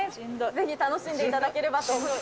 ぜひ楽しんでいただければと。